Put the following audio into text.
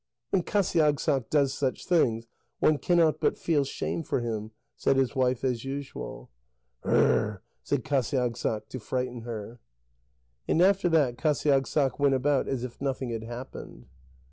"When Qasiagssaq does such things, one cannot but feel shame for him," said his wife as usual. "Hrrrr!" said Qasiagssaq, to frighten her. And after that Qasiagssaq went about as if nothing had happened.